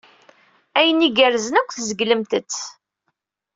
Ayen igerrzen akk tzeglemt-t.